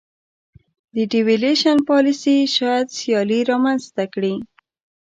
د devaluation پالیسي شاید سیالي رامنځته کړي.